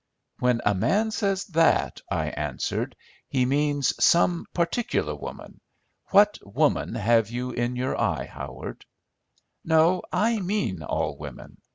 "When a man says that," I answered, "he means some particular woman. What woman have you in your eye, Howard?" "No, I mean all women.